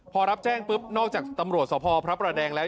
พอรับแจ้งปุ๊บนอกจากตำรวจสพพระประแดงแล้ว